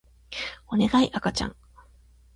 おねがい赤ちゃん